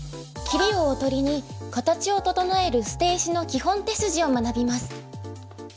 切りをおとりに形を整える捨て石の基本手筋を学びます。